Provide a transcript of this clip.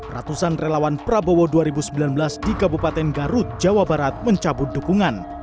ratusan relawan prabowo dua ribu sembilan belas di kabupaten garut jawa barat mencabut dukungan